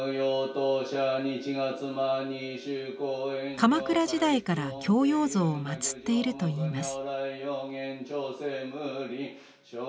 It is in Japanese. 鎌倉時代から孝養像を祭っているといいます。